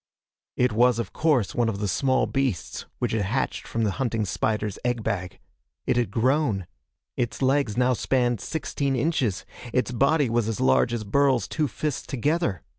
It was, of course, one of the small beasts which had hatched from the hunting spider's egg bag. It had grown. Its legs now spanned sixteen inches. Its body was as large as Burl's two fists together.